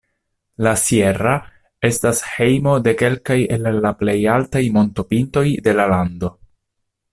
La "sierra" estas hejmo de kelkaj el la plej altaj montopintoj de la lando.